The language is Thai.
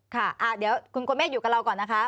ค่ะเดี๋ยวคุณโกเมฆอยู่กับเราก่อนนะคะ